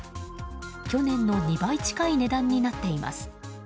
去年の２倍近い値段になっています。